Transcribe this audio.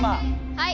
はい。